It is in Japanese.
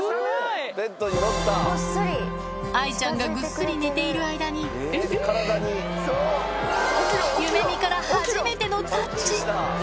愛ちゃんがぐっすり寝ている間に、ゆめみから、初めてのタッチ。